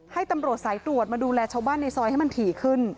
ให้ตำรวจสายตรวจมาดูแลชาวบ้านในซอยให้มันถี่ขึ้น